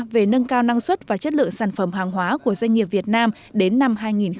về nâng cao năng suất và chất lượng sản phẩm hàng hóa của doanh nghiệp việt nam đến năm hai nghìn hai mươi